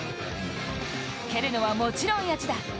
蹴るのはもちろん、谷内田。